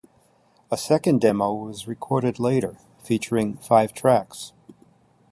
A second demo was recorded later, featuring five tracks.